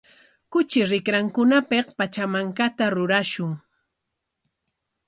Kuchi rikrankunapik pachamankata rurashun.